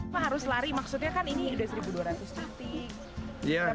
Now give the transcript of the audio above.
pak harus lari maksudnya kan ini udah seribu dua ratus titik